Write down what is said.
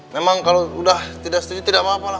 memang kalau sudah tidak setuju tidak apa apa lah